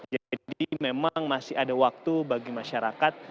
jadi memang masih ada waktu bagi masyarakat